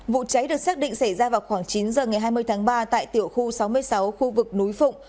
vụ cháy được xác định xảy ra vào khoảng chín giờ ngày hai mươi tháng ba tại tiểu khu sáu mươi sáu khu vực núi phụng